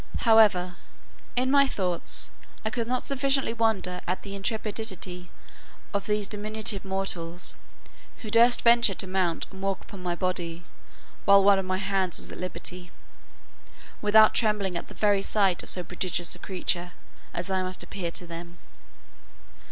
However, in my thoughts I could not sufficiently wonder at the intrepidity of these diminutive mortals, who durst venture to mount and walk upon my body, while one of my hands was at liberty, without trembling at the very sight of so prodigious a creature as I must appear to them.